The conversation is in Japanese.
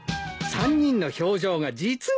３人の表情が実にいい。